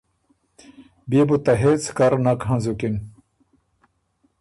بيې بو ته هېڅ کر نک هنزُکِن۔